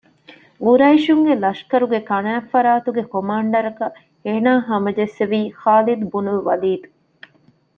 ޤުރައިޝުންގެ ލަޝްކަރުގެ ކަނާތްފަރާތުގެ ކޮމާންޑަރަކަށް އޭނާ ހަމަޖެއްސެވީ ޚާލިދުބުނުލް ވަލީދު